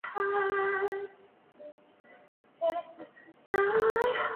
侧花沙蓬是苋科沙蓬属的植物。